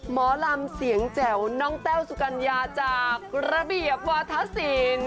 หมอลำเสียงแจ๋วน้องแต้วสุกัญญาจากระเบียบวาธศิลป์